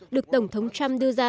được tổng thống trump đưa ra